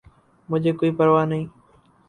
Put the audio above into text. !مجھے کوئ پرواہ نہیں